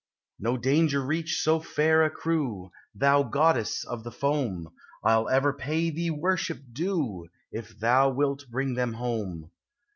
No danger reach so fair a crew ! Thou goddess of the foam, I '11 ever pay thee worship due, If thou wilt bring them home.